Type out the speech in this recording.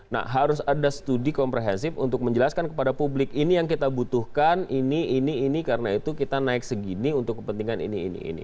nah harus ada studi komprehensif untuk menjelaskan kepada publik ini yang kita butuhkan ini ini karena itu kita naik segini untuk kepentingan ini ini